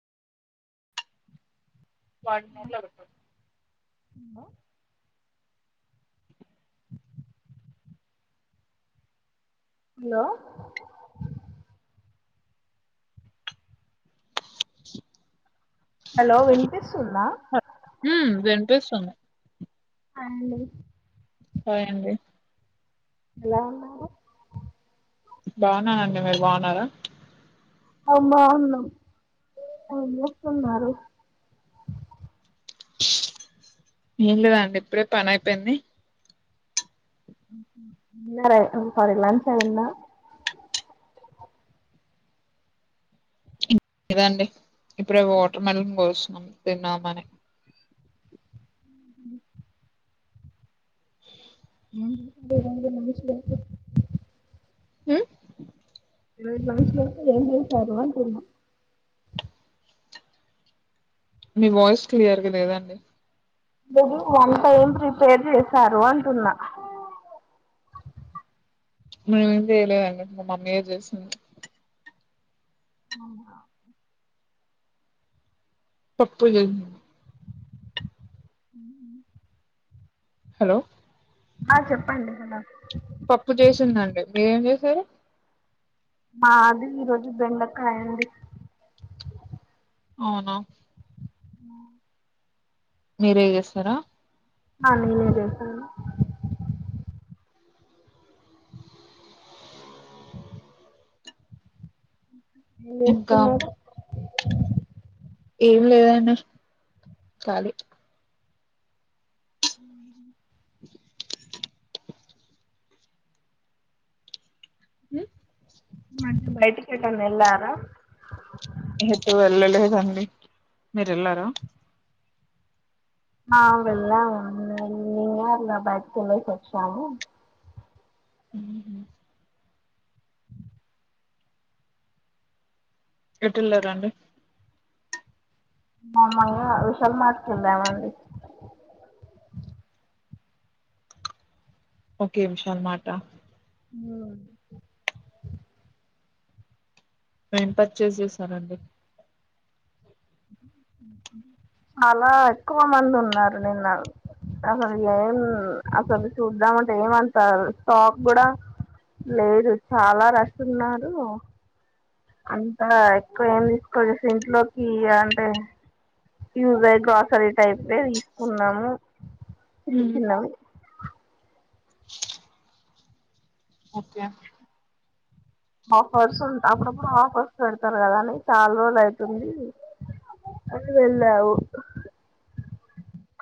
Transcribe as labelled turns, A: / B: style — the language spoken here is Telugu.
A: వన్ నోటిలో పేట్
B: హలో హలో హలో వినిపిస్తుంద
A: మ్మ్ వినిపిస్తుంది.
B: హాయ్ అండి
A: హాయండి.
B: ఎలా ఉన్నారు.
A: బాగున్ననండి మీరు బాగున్నారా
B: అవుమా అవును. ఏం చేస్తూన్నారు.
A: ఏం లేదా అండి ఇప్పుడే పని అయిపోయింది
B: [unintelligible]
A: ఏం లేదండి ఇప్పుడే వాటర్ మెడల్ కోసం తిన్నామని
B: [unintelligible]
A: హ
B: మీరు లాస్ట్ వరకు ఏం చేశారు అంటున్న
A: మీ వాయిస్ క్లియర్గా లేదండి
B: మీరి వన్ టైం ప్రిపేర్ చేశారు అంటున్నా
A: మేం ఏేం చేయలేదు అండి అన్నట్ మా మమ్మీ ఎ చేసింది
B: అవునా
A: పప్పు జ
B: ఉమ్
A: హలో
B: ఆ చెప్పండి హలో
A: పప్పు చేసిందండి మీరేం చేసారు
B: మాది ఈ రోజు బెండకాయా అండి
A: అవునా
B: ఆ
A: మీరే చేస్తారా
B: ఆ నేనే చేశా అండి ఏం
A: ఇంకా
B: చేస్తుకున్నారు
A: ఏం లేద అండి ఖాలీ
B: ఉ
A: హ
B: మ బయటి కట్టన్న ఎల్లారా
A: ఎట వెళ్ళలేదండి మీరు వెళ్లార
B: ఆ వెళ్ళాన్నా అండి బయట తినేసి [unintelligible]
A: హ ఎటు ఎల్లరుండి
B: మామగా విషల్ మార్ట్ కీ వెళ్ళామండి
A: ఓకే విశాల మాట్ ఆ
B: అ
A: నేన్ పర్చేస్ చేసానండి
B: చాలా ఎక్కువ మంది ఉన్నారు నిన్న అసలు ఏం అసలు చూద్దామంటే ఏమంటారు స్టాక్ కూడా లేదు చాలా రష్ ఉన్నారు అంతా ఎక్కువ ఏం తీసుకోవచ్చచ్చసి ఇంట్లోకి అంటే ఉస్ అయ గ్రాసరీ టైప్ తీసుకున్నాము చి
A: ఉమ్
B: చిన్నవి
A: ఓకే
B: ఆఫర్స్ ఉ అప్పుడప్పుడు ఆఫర్స్ పెడతారు కదా అని చాలా రోజు అవుతుంది అని వెళ్ళావు